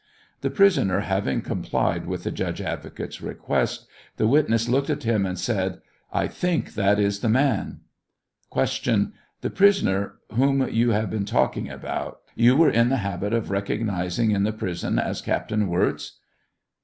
The prisoner having complied with the judge advocate's request, the witness looked at him and said, " I think that is the man." Q. The prisoner whom you have been talking about, you were in the habit of recognizing in the prison as Captain Wirz ?